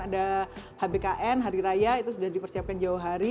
ada hbkn hari raya itu sudah dipersiapkan jauh hari